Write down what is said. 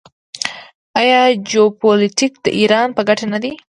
آیا جیوپولیټیک د ایران په ګټه نه دی؟